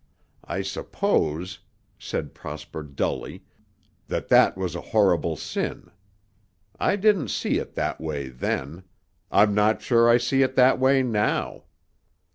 I suppose," said Prosper dully, "that that was a horrible sin. I didn't see it that way then. I'm not sure I see it that way now.